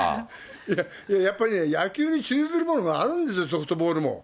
いや、やっぱりね、野球に通ずるものがあるんですよ、ソフトボールも。